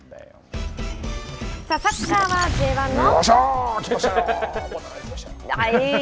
さあサッカーはＪ１の。